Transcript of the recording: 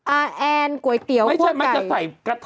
อาร์แอนกวยเตี๋ยวข้วไก่